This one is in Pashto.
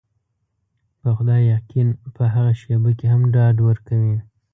په خدای يقين په هغه شېبه کې هم ډاډ ورکوي.